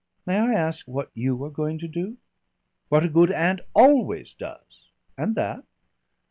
"May I ask what you are going to do?" "What a good aunt always does." "And that?"